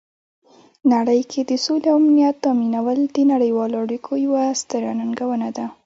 نړۍ کې د سولې او امنیت تامینول د نړیوالو اړیکو یوه ستره ننګونه ده.